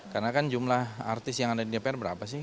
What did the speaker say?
karena kan jumlah artis yang ada di dpr berapa sih